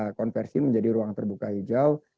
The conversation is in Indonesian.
kita konversi menjadi ruang terbuka hijau